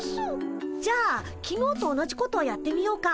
じゃあきのうと同じことをやってみようか。